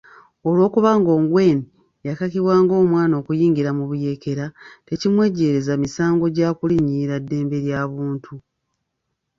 Olw'okuba Ongwen yakakibwa ng'omwana okuyingira mu buyeekera, tekimwejjeereza misango gya kulinnyirira ddembe ly'abantu.